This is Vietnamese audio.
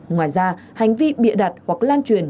ngoài ra hành vi bịa đặt hoặc lan truyền